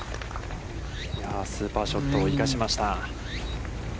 スーパーショットを生かしました。